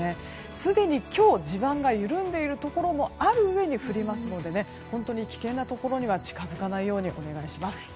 すでに、今日地盤が緩んでいるところもある上に降りますので本当に危険なところには近づかないようにお願いします。